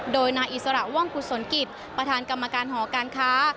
โดยนายอิสระว่องกุศลกิจประธานกรรมการหอการค้า